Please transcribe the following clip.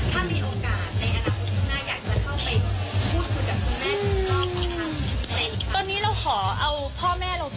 ถ้ามีโอกาสในอนาคตขึ้นหน้าอยากจะเข้าไปพูดคุยกับพ่อแม่ก็ทำใจค่ะ